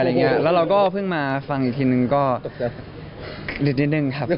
แล้วเราก็เพิ่งมาฟังอีกทีหนึ่งก็ลืดหนึ่งครับ